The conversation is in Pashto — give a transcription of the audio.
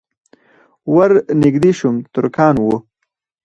ور نږدې شوم ترکان وو.